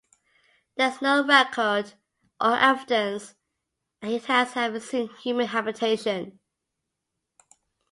There is no record or evidence that it has ever seen human habitation.